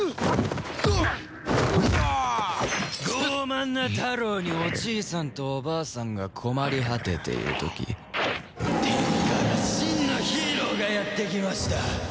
傲慢なタロウにおじいさんとおばあさんが困り果てている時天から真のヒーローがやって来ました。